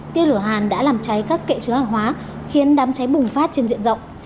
tiên lửa hàn đã làm cháy các kệ chứa hàng hóa khiến đám cháy bùng phát trên diện rộng